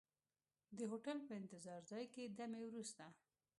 د هوټل په انتظار ځای کې دمې وروسته.